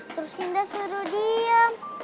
terus indah suruh dia